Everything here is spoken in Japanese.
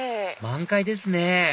満開ですね